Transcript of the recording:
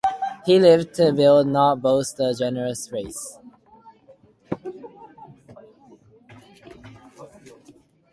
He lives to build, not boast a generous race.